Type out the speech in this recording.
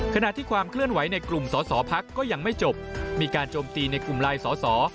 ก็ยังไม่จบมีการจมตีในกลุ่มลายสส